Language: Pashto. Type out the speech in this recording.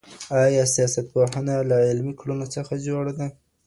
ايا سياستپوهنه له عملي کړنو څخه جوړه ده؟